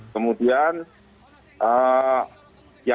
kemudian yang meninggal